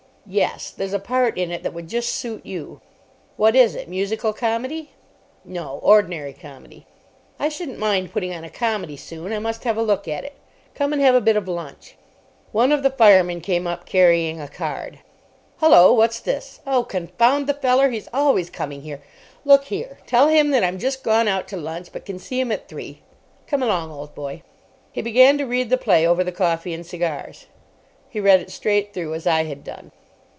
"Yes. There's a part in it that would just suit you." "What is it? Musical comedy?" "No. Ordinary comedy." "I shouldn't mind putting on a comedy soon. I must have a look at it. Come and have a bit of lunch." One of the firemen came up, carrying a card. "Hullo, what's this? Oh, confound the feller! He's always coming here. Look here: tell him that I'm just gone out to lunch, but can see him at three. Come along, old boy." He began to read the play over the coffee and cigars. He read it straight through, as I had done.